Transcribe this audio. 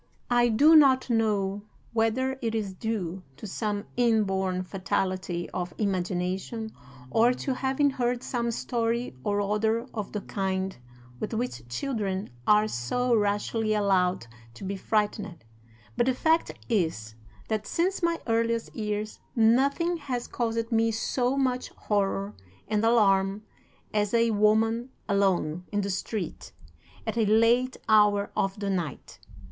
III. "'I DO not know whether it is due to some inborn fatality of imagination, or to having heard some story or other of the kind with which children are so rashly allowed to be frightened, but the fact is, that since my earliest years nothing has caused me so much horror and alarm as a woman alone, in the street, at a late hour of the night.